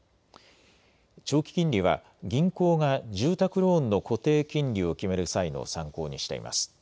長期金利は銀行が住宅ローンの固定金利を決める際の参考にしています。